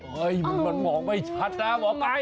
เฮ้ยมันมองไม่ชัดนะหมอไก่